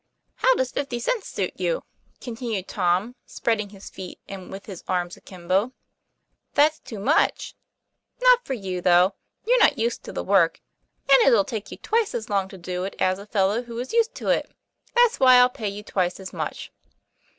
" How does fifty cents suit you?" continued Tom, spreading his feet and with his arms akimbo. "That's too much." " Not for you, though. You're not used to the work, and it'll take you twice as long to do it as a fellow who is used to it. That's why I'll pay you twice as much."